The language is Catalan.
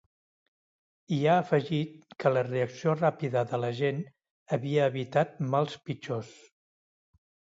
I ha afegit que la reacció ràpida de l’agent havia evitat mals pitjors.